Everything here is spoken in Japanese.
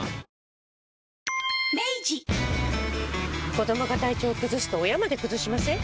子どもが体調崩すと親まで崩しません？